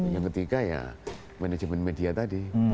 yang ketiga ya manajemen media tadi